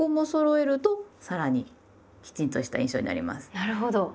なるほど。